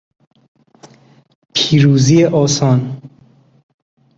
پیروزی آسان